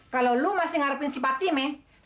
kalau lu masih ngarepin si patiming